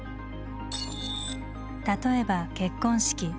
例えば結婚式。